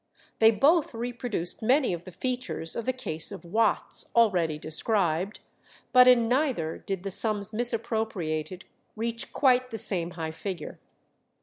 They both reproduced many of the features of the case of Watts, already described, but in neither did the sums misappropriated reach quite the same high figure.